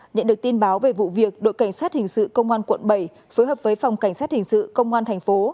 nhận được tin báo về vụ việc đội cảnh sát hình sự công an quận bảy phối hợp với phòng cảnh sát hình sự công an thành phố